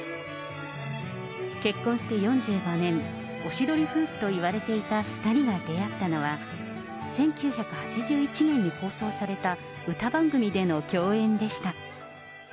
結婚して４５年、おしどり夫婦といわれていた２人が出会ったのは、１９８１年に放送された歌番組での共演でした。